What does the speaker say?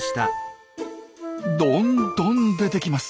どんどん出てきます。